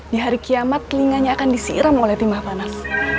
di hari kiamat telinganya akan disiram oleh timah panas